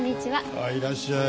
ああいらっしゃい。